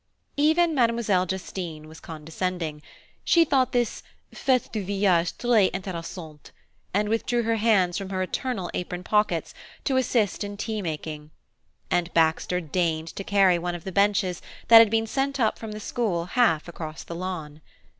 Even Mlle. Justine was condescending; she thought this fête du village très intéressante, and withdrew her hands from her eternal apron pockets, to assist in tea making; and Baxter deigned to carry one of the benches that had been sent up from the school half across the lawn.